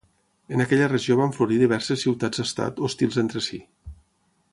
En aquella regió van florir diverses ciutats-estat hostils entre si.